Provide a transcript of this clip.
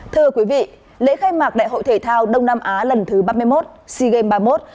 thưa quý vị lễ khai mạc đại hội thể thao đông nam á lần thứ ba mươi một sea games ba mươi một